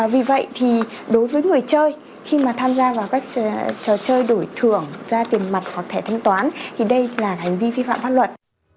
vì vậy thì đối với người chơi khi mà tham gia vào các trò chơi đổi thưởng ra tiền mặt hoặc thẻ thanh toán thì đây là hành vi vi phạm pháp luật